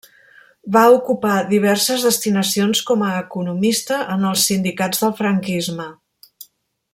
Va ocupar diverses destinacions com a economista en els sindicats del franquisme.